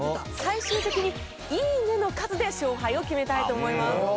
最終的にいいねの数で勝敗を決めたいと思います。